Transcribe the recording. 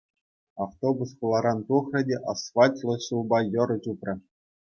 Автобус хуларан тухрӗ те асфальтлӑ ҫулпа йӑрӑ чупрӗ.